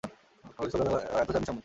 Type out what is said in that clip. কালো চালের খোসা অ্যান্থোসায়ানিনসমৃদ্ধ।